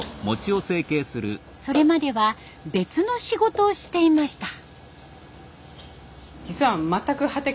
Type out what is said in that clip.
それまでは別の仕事をしていました。